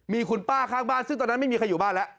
มีคุณป้าข้างบ้านซึ่งตอนนั้นไม่มีใครอยู่บ้านแล้ว